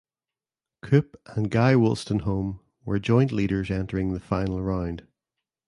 Coop and Guy Wolstenholme were joint leaders entering the final round.